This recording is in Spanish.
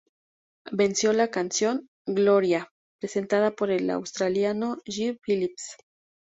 Venció la canción "Gloria", presentada por el australiano Jeff Phillips.